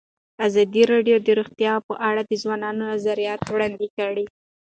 ازادي راډیو د روغتیا په اړه د ځوانانو نظریات وړاندې کړي.